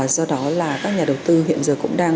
do đó là các nhà đầu tư hiện giờ cũng đang